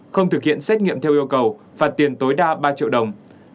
không thực hiện xét nghiệm theo yêu cầu phạt tiền tối đa ba triệu đồng